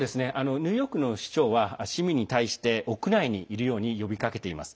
ニューヨークの市長は市民に対して屋内にいるように呼びかけています。